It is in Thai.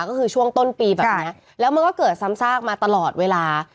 ก็คือช่วงต้นปีแบบนี้แล้วมันก็เกิดซ้ำซากมาตลอดเวลา